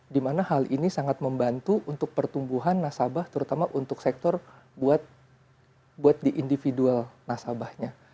dimana hal ini sangat membantu untuk pertumbuhan nasabah terutama untuk sektor buat di individual nasabahnya